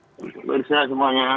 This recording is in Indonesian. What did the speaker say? selamat pagi semuanya